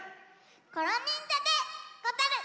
コロにんじゃでござる。